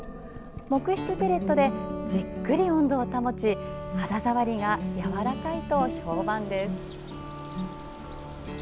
木質ペレットでじっくり温度を保ち肌触りがやわらかいと評判です。